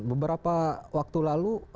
beberapa waktu lalu